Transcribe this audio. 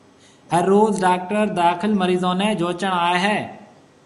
ھر روز ڊاڪٽر داخل مريضون نيَ جونچڻ آئيَ ھيََََ